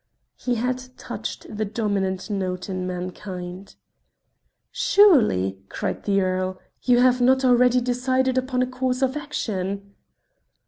He had touched the dominant note in mankind. "Surely!" cried the earl, "you have not already decided upon a course of action?"